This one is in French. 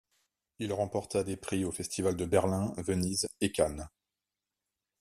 Il remporta des prix aux festivals de Berlin, Venise et Cannes.